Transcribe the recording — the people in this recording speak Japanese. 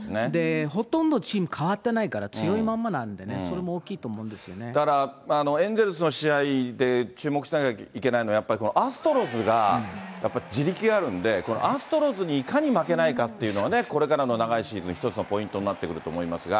ほとんどチーム、変わってないから強いまんまなんで、だから、エンゼルスの試合で注目しなきゃいけないのは、アストロズがやっぱり地力あるんで、このアストロズにいかに負けないかっていうのが、これからの長いシーズン、１つのポイントになってくると思いますが。